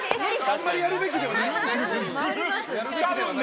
あまりやるべきではないですね。